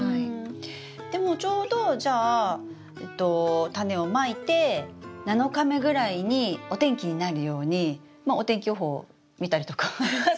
でもちょうどじゃあタネをまいて７日目ぐらいにお天気になるようにまあお天気予報を見たりとかハハッ。